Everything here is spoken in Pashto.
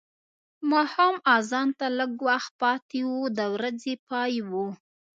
ماښام اذان ته لږ وخت پاتې و د ورځې پای و.